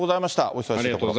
お忙しいところ。